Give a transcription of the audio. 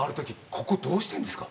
ここどうしてんですか？